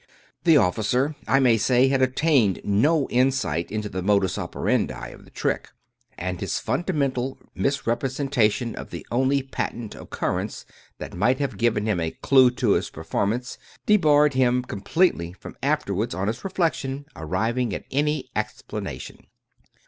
The offi cer, I may say, had obtained no insight into the nuxim op erandi of the trick, and his fundamental misrepresentation of the only patent occurrence that might have given him a clew to its performance debarred him completely from afterwards, on reflection, arriving at any explanation.